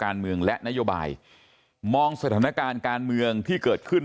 การเมืองและนโยบายมองสถานการณ์การเมืองที่เกิดขึ้น